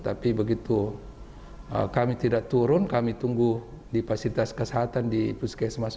tapi begitu kami tidak turun kami tunggu di fasilitas kesehatan di puskesmas